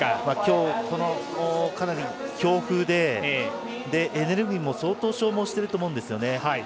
今日、かなり強風でエネルギーも相当消耗していると思うんですね。